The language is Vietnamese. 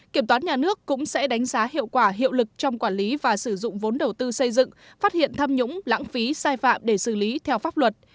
kiểm toán nhà nước cũng sẽ đánh giá hiệu quả hiệu lực trong quản lý và sử dụng vốn đầu tư xây dựng phát hiện tham nhũng lãng phí sai phạm để xử lý theo pháp luật